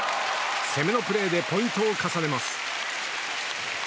攻めのプレーでポイントを重ねます。